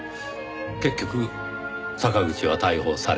結局坂口は逮捕され。